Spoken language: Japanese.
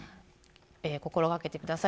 心がけてください。